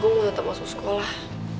gue mau tetap masuk sekolah